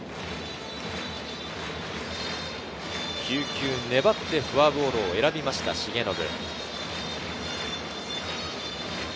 ９球粘ってフォアボールを選びました重信。